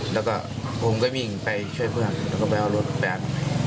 แล้วก็ผมก็วิ่งไปช่วยเพื่อนแล้วก็ไปเอารถแบงค์